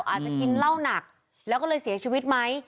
อาจจะกินเหล้าหนักแล้วก็เลยเสียชีวิตไหม